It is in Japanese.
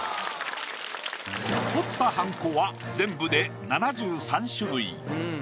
彫ったはんこは全部で７３種類。